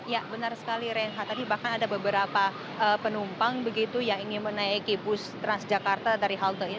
ya benar sekali reinhard tadi bahkan ada beberapa penumpang begitu yang ingin menaiki bus transjakarta dari halte ini